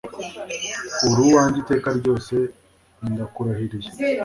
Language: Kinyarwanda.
uri uwanjye iteka ryose ndakurahiriye